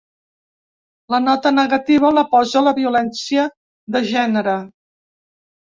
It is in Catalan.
La nota negativa la posa la violència de gènere.